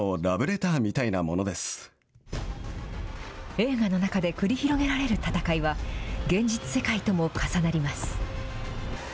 映画の中で繰り広げられる戦いは、現実世界とも重なります。